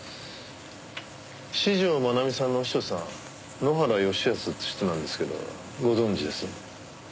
四条真奈美さんのお師匠さん埜原義恭って人なんですけどご存じです？